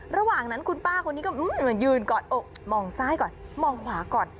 ระหว่างนั้นคุณป้าคนนี้ก็มายืนกอดอกมองซ้ายก่อนมองขวาก่อน